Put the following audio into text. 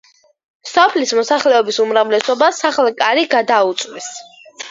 სოფლის მოსახლეობის უმრავლესობას სახლ-კარი გადაუწვეს.